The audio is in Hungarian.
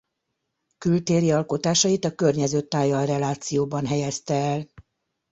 Kültéri alkotásait a környező tájjal relációban helyezte el.